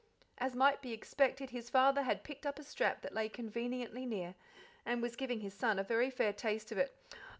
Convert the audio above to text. As might be expected, his father had picked up a strap that lay conveniently near, and was giving his son a very fair taste of it.